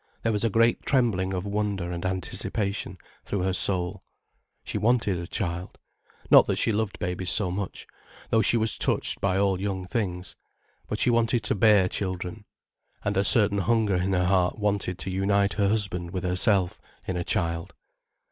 There was a great trembling of wonder and anticipation through her soul. She wanted a child. Not that she loved babies so much, though she was touched by all young things. But she wanted to bear children. And a certain hunger in her heart wanted to unite her husband with herself, in a child.